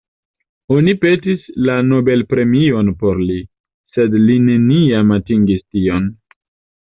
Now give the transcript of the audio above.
Oni petis la Nobelpremion por li, sed li neniam atingis tion.